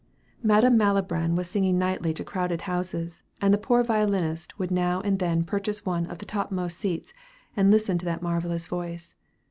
Madam Malibran was singing nightly to crowded houses, and the poor violinist would now and then purchase one of the topmost seats, and listen to that marvellous voice.